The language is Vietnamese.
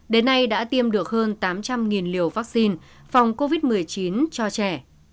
đến nay đã tiêm được hơn tám trăm linh liều vaccine phòng covid một mươi chín cho trẻ